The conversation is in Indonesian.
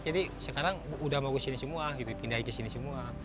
jadi sekarang sudah mau ke sini semua pindah ke sini semua